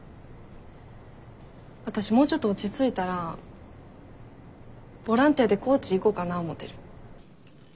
私もうちょっと落ち着いたらボランティアで高知行こかな思てる。